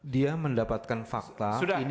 dia mendapatkan fakta inilah materinya